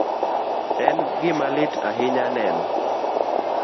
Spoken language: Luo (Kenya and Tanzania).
En gima lit ahinya neno